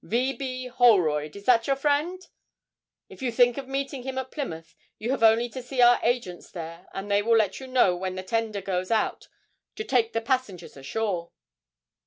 'V. B. Holroyd is that your friend? If you think of meeting him at Plymouth, you have only to see our agents there, and they will let you know when the tender goes out to take the passengers ashore.'